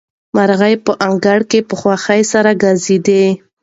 مرغۍ په انګړ کې په خوښۍ سره ګرځېدې.